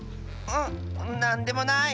んなんでもない。